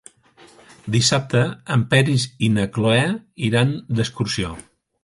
Dissabte en Peris i na Cloè iran d'excursió.